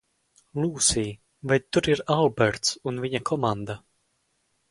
Lūsij, vai tur ir Alberts un viņa komanda?